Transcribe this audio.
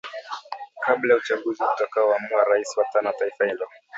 kabla ya uchaguzi utakao amua rais wa tano wa taifa hilo